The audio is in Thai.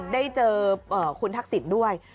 ได้เจอคุณทักษิณด้วย